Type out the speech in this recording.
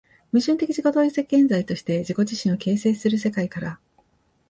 矛盾的自己同一的現在として自己自身を形成する世界から、